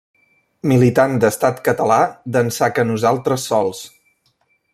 Militant d'Estat Català d'ençà que Nosaltres Sols!